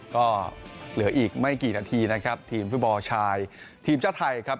ก็เหลืออีกไม่กี่นาทีนะครับทีมฟุตบอลชายทีมชาติไทยครับ